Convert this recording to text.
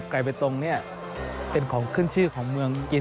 ไปตรงนี้เป็นของขึ้นชื่อของเมืองกิน